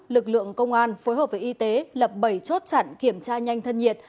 lực lượng công an phối hợp với y tế lập bảy chốt chặn kiểm tra nhanh thân nhiệt